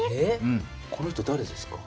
この人だれですか？